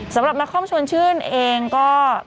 สำหรับนักคอมชวนชื่นเองก็